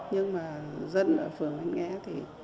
nhưng mà dân ở phường anh nghe thì